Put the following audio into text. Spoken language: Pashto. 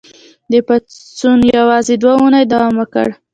دې پاڅون یوازې دوه اونۍ دوام وکړ.